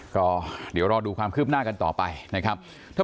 ก็เดี๋ยวรอดูความคืบหน้ากันต่อไปนะครับ